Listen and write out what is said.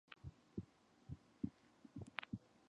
Many strange and barbarous-looking names occur in the list.